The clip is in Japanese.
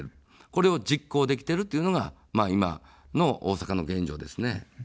これを実行できているというのが今の大阪の現状ですね。